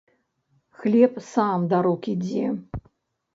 Хлеб сам да рук ідзе.